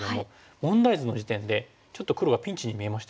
問題図の時点でちょっと黒がピンチに見えましたよね。